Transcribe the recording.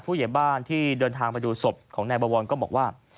พูดอย่างบ้านที่เดินทางไปดูสมของแนบวอนก็บอกว่า